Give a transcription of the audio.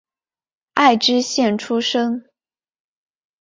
爱知县出身。